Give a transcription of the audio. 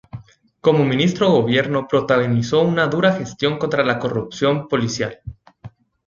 Como Ministro Gobierno, protagonizó una dura gestión contra la corrupción policial.